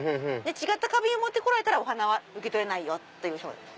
違った花瓶を持ってこられたらお花は受け取れないよ！という。